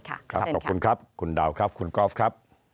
ขอบคุณครับคุณดาวคุณกอล์ฟ